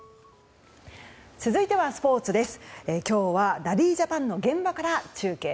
続いては、スポーツです。